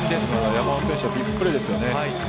山本選手のビッグプレーですよね。